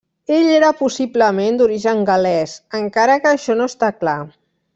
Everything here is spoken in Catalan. Ell era, possiblement, d'origen gal·lès, encara que això no està clar.